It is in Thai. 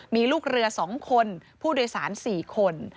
มีลูกเรือ๒คนผู้โดยสาร๔คน